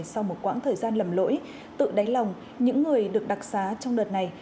sau một quãng thời gian lầm lỗi tự đáy lòng những người được đặc xá trong đợt này